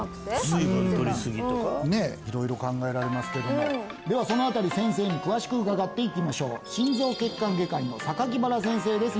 ねえ色々考えられますけれどもではその辺り先生に詳しく伺っていきましょう心臓血管外科医の榊原先生です